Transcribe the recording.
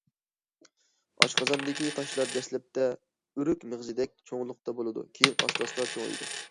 ئاشقازاندىكى تاشلار دەسلەپتە ئۆرۈك مېغىزىدەك چوڭلۇقتا بولىدۇ، كېيىن ئاستا- ئاستا چوڭىيىدۇ.